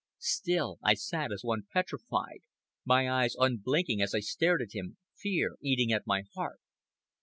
Still I sat as one petrified, my eyes unblinking as I stared at him, fear eating at my heart.